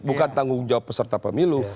bukan tanggung jawab peserta pemilu